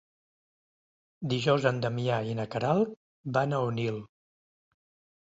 Dijous en Damià i na Queralt van a Onil.